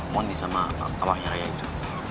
mondi sama pawangi raya itu